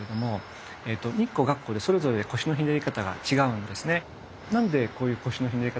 日光月光でそれぞれ腰のひねり方が違うんですね。